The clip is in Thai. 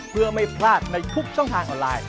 เพื่อไม่พลาดในทุกช่องทางออนไลน์